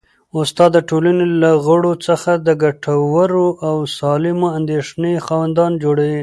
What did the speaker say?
استاد د ټولني له غړو څخه د ګټورو او سالمې اندېښنې خاوندان جوړوي.